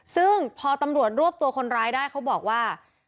ซึ่งพอตำรวจรวบตัวคนร้ายได้เขาบอกว่า